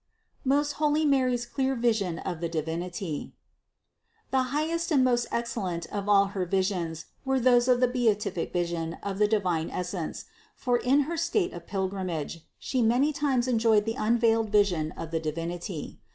MOST HOLY MARY'S CI^AR VISION OF TH£ DIVINITY. 623. The highest and most excellent of all her visions were those of the beatific vision of the divine Essence, for in her state of pilgrimage She many times enjoyed the unveiled vision of the Divinity.